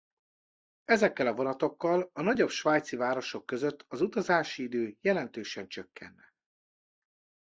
Ezekkel a vonatokkal a nagyobb svájci városok között az utazási idő jelentősen csökkenne.